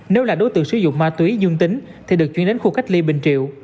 nếu là đối tượng sử dụng ma túy dương tính thì được chuyển đến khu cách ly bình triệu